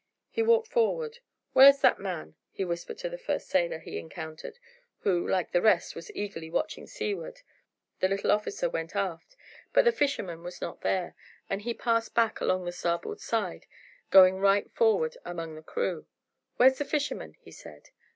He walked forward. "Where's that man?" he whispered to the first sailor he encountered, who, like the rest, was eagerly watching seaward. "Went aft, sir." The little officer went aft, but the fisherman was not there, and he passed back along the starboard side, going right forward among the crew. "Where is the fisherman?" he said.